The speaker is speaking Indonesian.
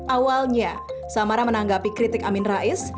awalnya samara menanggapi kritik amin rais